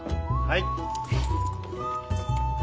はい。